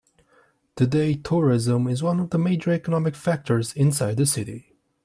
Today, tourism is one of the major economic factors inside the city.